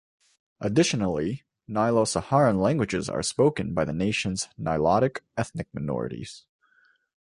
Additionally, Nilo-Saharan languages are spoken by the nation's Nilotic ethnic minorities.